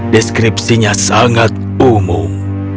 deskripsinya sangat umum